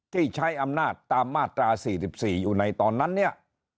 ที่ใช้อำนาจตามมาตรา๔๔อยู่ในตอนนั้นเนี่ย